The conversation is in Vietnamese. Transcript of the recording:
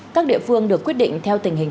các địa phương được quyết định theo tình hình